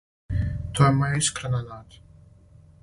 То је моја искрена нада.